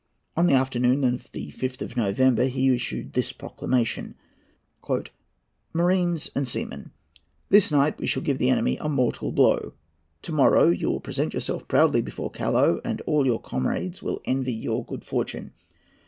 On the afternoon of the 5th of November he issued this proclamation:—"Marines and seamen,—This night we shall give the enemy a mortal blow. To morrow you will present yourself proudly before Callao, and all your comrades will envy your good fortune.